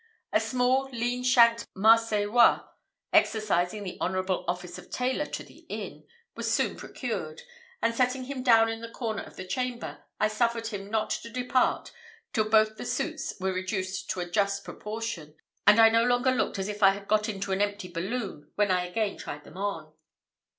A small lean shanked Marseillois, exercising the honourable office of tailor to the inn, was soon procured; and setting him down in the corner of the chamber, I suffered him not to depart till both the suits were reduced to a just proportion, and I no longer looked as if I had got into an empty balloon when I again tried them on.